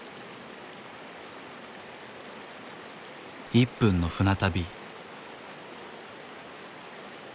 １分の船旅。